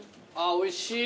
おいしい？